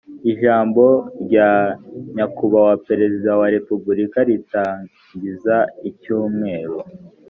ijambo rya nyakubahwa perezida wa repubulika ritangiza icyumweru